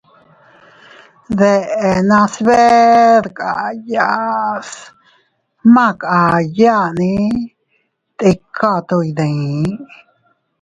Dechenas bee dkaya ma lin ndi a tika to iydii.